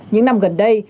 những năm gần đây